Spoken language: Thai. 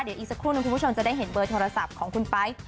เดี๋ยวอีกสักครู่หนึ่งคุณผู้ชมจะได้เห็นเบอร์โทรศัพท์ของคุณไป๊